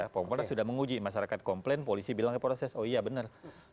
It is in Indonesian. kompolnas sudah menguji masyarakat komplain polisi bilang proses oh iya benar